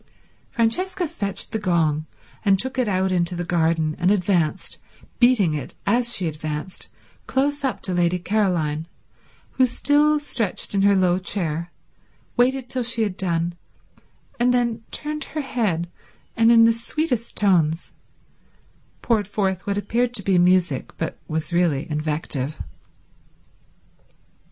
Francesca fetched the gong, and took it out into the garden and advanced, beating it as she advanced, close up to Lady Caroline, who, still stretched in her low chair, waited till she had done, and then turned her head and in the sweetest tones poured forth what appeared to be music but was really invective.